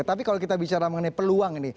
tapi kalau kita bicara mengenai peluang ini